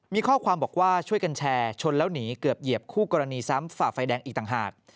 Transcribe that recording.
มีข้อความบอกว่าช่วยกันแชร์ชนแล้วหนีเกือบเหยียบคู่กรณีซ้ำฝ่าไฟแดงอีกต่างหาก